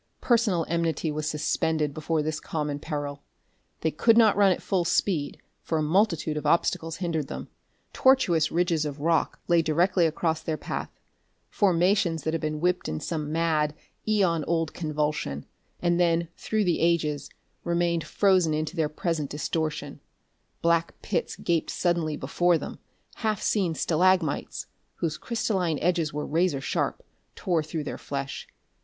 Personal enmity was suspended before this common peril. They could not run at full speed, for a multitude of obstacles hindered them. Tortuous ridges of rock lay directly across their path, formations that had been whipped in some mad, eon old convulsion and then, through the ages, remained frozen into their present distortion; black pits gaped suddenly before them; half seen stalagmites, whose crystalline edges were razor sharp, tore through to their flesh.